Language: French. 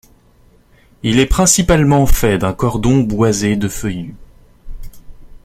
Il est principalement fait d'un cordon boisé de feuillus.